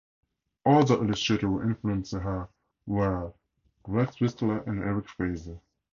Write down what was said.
Other illustrators who influenced her were Rex Whistler and Eric Fraser.